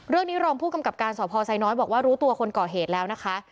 เรื่องนี้รองผู้กำกับการสอบพอร์ไซน้อยบอกว่ารู้ตัวคนก่อเหตุแล้วนะคะ